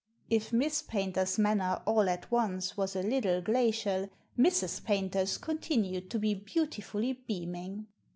If Miss Paynter*s manner, all at once, was a little glacial, Mrs. Paynter's continued to be beautifully beaming.